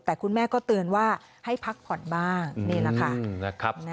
แต่คุณแม่ก็เตือนว่าให้พักผ่อนบ้างนี่แหละค่ะ